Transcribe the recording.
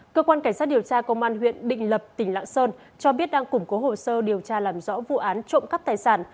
cơ quan cảnh sát điều tra công an huyện định lập tỉnh lạng sơn cho biết đang củng cố hồ sơ điều tra làm rõ vụ án trộm cắp tài sản